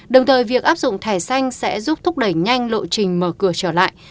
đồng thời việc áp dụng thẻ xanh sẽ giúp thúc đẩy nhanh lộ trình mở cửa trở lại